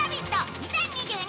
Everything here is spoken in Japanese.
２０２２」